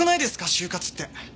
終活って。